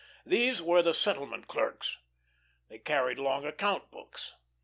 These were the settlement clerks. They carried long account books.